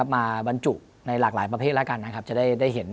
มาบรรจุในหลากหลายประเภทแล้วกันจะได้เห็น